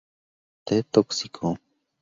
T Tóxico.